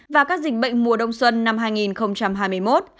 và các dịch bệnh mùa đông xuân năm hai nghìn hai mươi một hai nghìn hai mươi hai